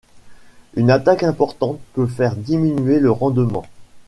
Une attaque importante peut faire diminuer le rendement.